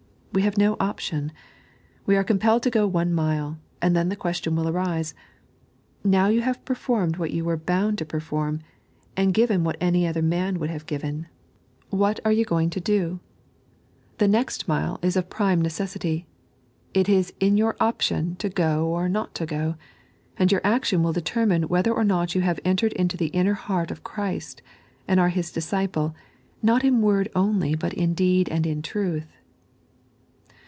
We have no option. Wo are compellet to go one mile, and then the question will arise : Kow you have performed what you were bound to perform, and given what any other miin would have given, 3.n.iized by Google 76 Trb Sbcoitd Mile. what are jrou going to do? The next mile is of prime neceesitf ; it is in your option to go or not to go, and your action will determine wbether or not you have entered into the inner heart of Christ, and are His disciple, not in word only but " in deed and in truth."